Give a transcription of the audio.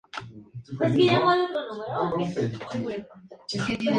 Más adelante, la discográfica Keep Recordings lanzó al mercado ambos álbumes.